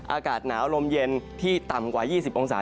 อากาศหนาวลมเย็นที่ต่ำกว่า๒๐องศา